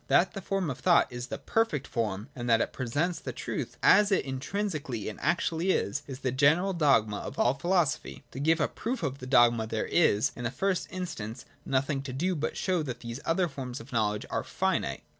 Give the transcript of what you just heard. That the form of thought is the perfect form, and that it presents the truth as it intrinsically and actually is, is the general dogma of all philosophy. To give a proof of the dogma there is, in the first instance, nothing to do but show that these other forms of knowledge are finite.